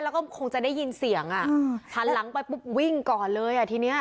แล้วก็คงจะได้ยินเสียงอ่ะหันหลังไปปุ๊บวิ่งก่อนเลยอ่ะทีเนี้ย